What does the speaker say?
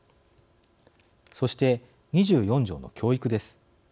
そして、２４条の教育です。